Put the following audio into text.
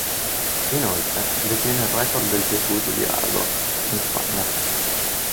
Inoltre, detiene il record del circuito di Aragon, in Spagna.